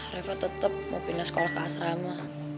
reva tetap mau pindah sekolah ke asrama